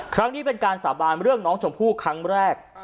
ครั้งนี้เป็นการสาบานเรื่องน้องชมพู่ครั้งแรก